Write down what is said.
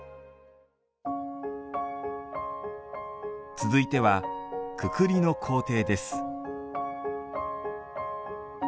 続いては「くくり」の工程です。